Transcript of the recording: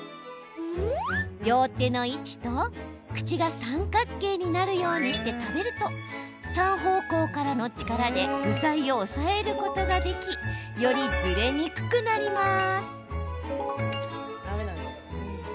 両手の位置と口が三角形になるようにして食べると３方向からの力で具材を押さえることができよりずれにくくなります。